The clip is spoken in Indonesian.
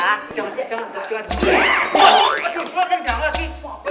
waduh gua kan gak lagi